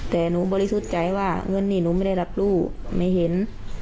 แต่หนูบริสุทธิ์ใจว่าเงินนี่หนูไม่ได้รับรู้ไม่เห็น